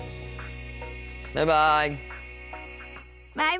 バイバイ。